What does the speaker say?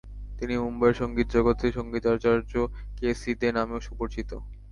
তিনি মুম্বইয়ের সঙ্গীতজগতে সঙ্গীতাচার্য 'কে.সি.দে' নামেও সুপরিচিত।